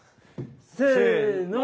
せの。